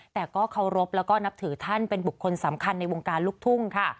แต่ก็เคารพแล้วก็นับถือท่านเป็นบุคคลสำคัญในวงการลูกทุ่งค่ะ